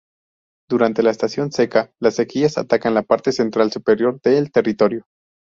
Durante la estación seca, las sequías atacan la parte central superior de el territorio.